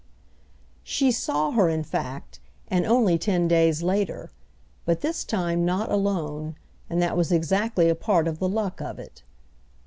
She saw her in fact, and only ten days later; but this time not alone, and that was exactly a part of the luck of it.